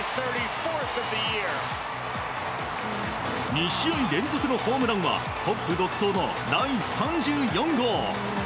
２試合連続のホームランはトップ独走の第３４号！